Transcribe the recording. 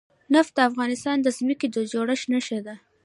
نفت د افغانستان د ځمکې د جوړښت نښه ده.